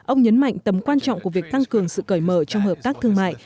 ông nhấn mạnh tầm quan trọng của việc tăng cường sự cởi mở trong hợp tác thương mại